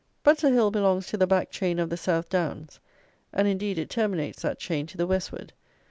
Butser hill belongs to the back chain of the South Downs; and, indeed, it terminates that chain to the westward.